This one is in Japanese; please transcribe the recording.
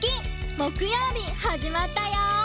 もくようびはじまったよ！